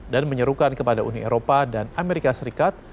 dan menyerukan kepada uni eropa dan amerika serikat